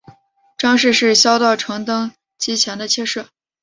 张氏是萧道成登基前的妾室。